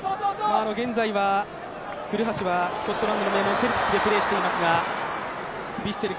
現在、古橋はスコットランドの名門・セルティックでプレーしていますがヴィッセル